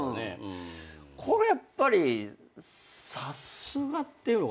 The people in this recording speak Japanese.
これやっぱりさすがっていうのかな。